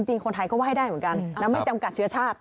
จริงคนไทยก็ไห้ได้เหมือนกันแล้วไม่จำกัดเชื้อชาติ